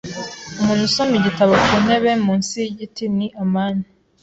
Umuntu usoma igitabo ku ntebe munsi yigiti ni amani.